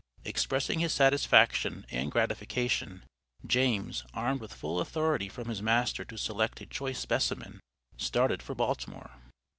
Expressing his satisfaction and gratification, James, armed with full authority from his master to select a choice specimen, started for Baltimore.